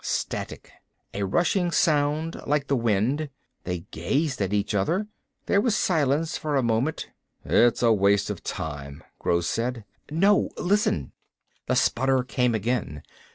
Static. A rushing sound, like the wind. They gazed at each other. There was silence for a moment. "It's a waste of time," Gross said. "No listen!" The sputter came again.